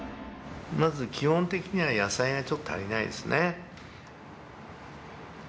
まず基本的には野菜がちょっと足りないですね。